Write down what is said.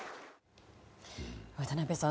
渡辺さん